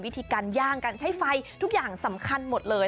วิธีการย่างการใช้ไฟทุกอย่างสำคัญหมดเลย